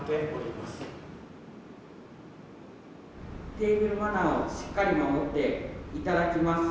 テーブルマナーをしっかり守っていただきます。